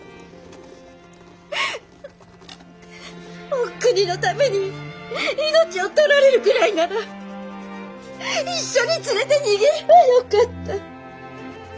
お国のために命を取られるくらいなら一緒に連れて逃げればよかった。